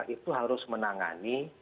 itu harus menangani